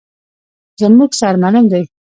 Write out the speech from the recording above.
_زموږ سر معلم دی.